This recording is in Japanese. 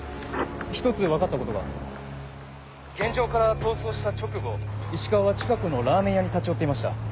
１つ分かったことが現場から逃走した直後石川は近くのラーメン屋に立ち寄っていました。